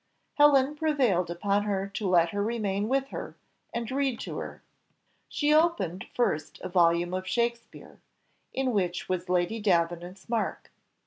Helen prevailed upon her to let her remain with her, and read to her. She opened first a volume of Shakspeare, in which was Lady Davenant's mark.